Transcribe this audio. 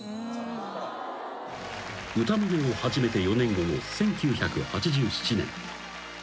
［歌まねを始めて４年後の１９８７年］